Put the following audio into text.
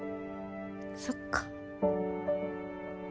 そっか。